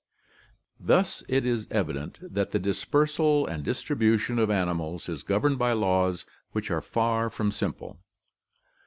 Thus it is evident that the dispersal and distribution of animals is governed by laws which are far from simple.